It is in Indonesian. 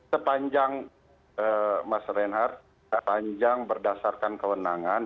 sepanjang mas reinhardt panjang berdasarkan kewenangan